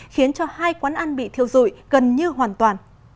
khiến cho hai quán ăn bị thiêu dụi gần như hoàn toàn